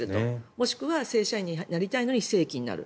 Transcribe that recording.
もしくは正社員になりたいのに非正規になる。